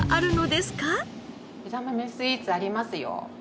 枝豆スイーツありますよ。